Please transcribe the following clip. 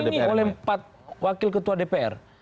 ini oleh empat wakil ketua dpr